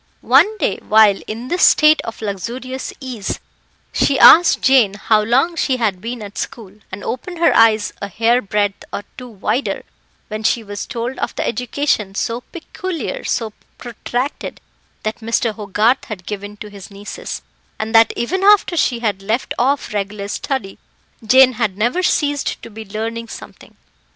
One day, while in this state of luxurious ease, she asked Jane how long she had been at school, and opened her eyes a hair breadth or two wider when she was told of the education so peculiar, so protracted, that Mr. Hogarth had given to his nieces, and that even after she had left off regular study, Jane had never ceased to be learning something.